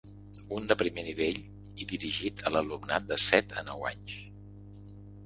Un de primer nivell i dirigit a l’alumnat de set a nou anys.